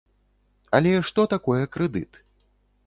Але што такое крэдыт?